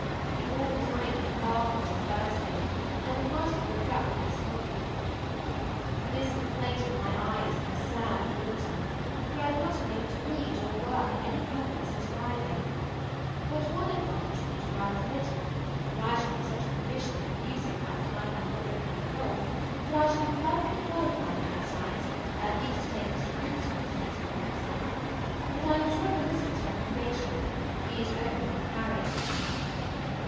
We all dined at the Harwoods' on Thursday, and the party broke up the next morning. This complaint in my eye has been a sad bore to me, for I have not been able to read or work in any comfort since Friday; but one advantage will be derived from it, for I shall be such a proficient in music by the time I have got rid of my cold, that I shall be perfectly qualified in that science at least to take Mr. Roope's office at Eastwell next summer; and I am sure of Elizabeth's recommendation, be it only on Harriet's account.